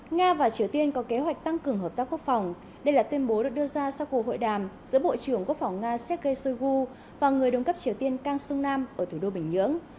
nga và triều tiên có kế hoạch tăng cường hợp tác quốc phòng đây là tuyên bố được đưa ra sau cuộc hội đàm giữa bộ trưởng quốc phòng nga sergei shoigu và người đồng cấp triều tiên kang sung nam ở thủ đô bình nhưỡng